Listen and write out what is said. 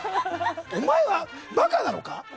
お前は馬鹿なのか？